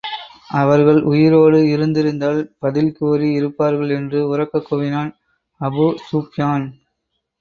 அவர்கள் உயிரோடு இருந்திருந்தால், பதில் கூறி இருப்பார்கள் என்று உரக்கக் கூவினார் அபூஸூப்யான்.